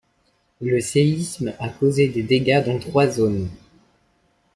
Le séisme a causé des dégâts dans trois zones.